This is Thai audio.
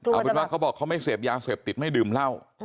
เอาเป็นว่าเขาบอกเขาไม่เสพยาเสพติดไม่ดื่มเหล้า